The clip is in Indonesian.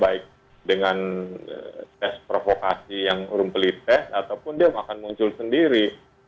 bintiknya baik dengan tes provokasi yang rumpelit test ataupun dia akan muncul sendiri